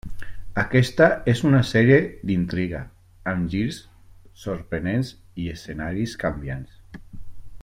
Aquesta és una sèrie d'intriga, amb girs sorprenents i escenaris canviants.